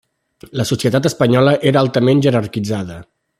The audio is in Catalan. La societat espanyola era altament jerarquitzada.